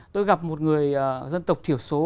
tôi gặp một người dân tộc thiểu số